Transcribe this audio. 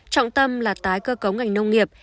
trọng tâm là tái cơ cống ngành nông nghiệp